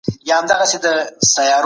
د سیمو ترمنځ انډول څنګه ساتل کیږي؟